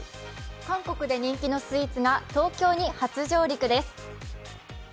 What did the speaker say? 韓国で人気のスイーツが東京に初上陸です。